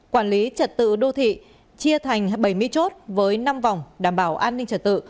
quản lý trật tự đô thị chia thành bảy mươi chốt với năm vòng đảm bảo an ninh trật tự